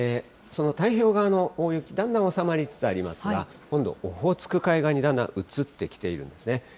その太平洋側の大雪、だんだん収まりつつありますが、今度、オホーツク海側にだんだん移ってきているんですね。